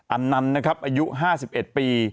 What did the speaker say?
อันนั้นนะครับอายุ๕๑ปี